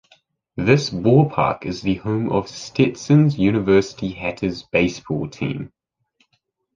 This ballpark is the home of the Stetson University Hatters baseball team.